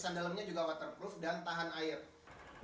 kesan dalamnya juga waterproof dan tahan air